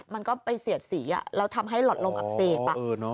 มันก็ไปเสียดสีแล้วทำให้หลอดลมอักเสบ